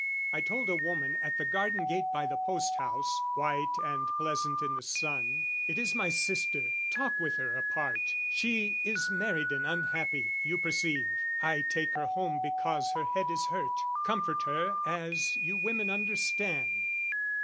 I told a woman, at the garden gate By the post house, white and pleasant in the sun, "It is my sister, talk with her apart! "She is married and unhappy, you perceive; "I take her home because her head is hurt; "Comfort her as you women understand!"